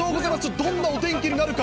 どんなお天気になるか。